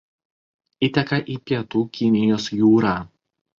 Įteka į Pietų Kinijos jūrą.